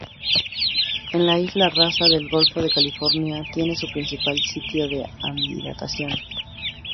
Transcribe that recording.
En la isla Rasa, del golfo de California, tiene su principal sitio de anidación.